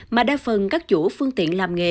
mà đa phần các chủ phương tiện làm nghề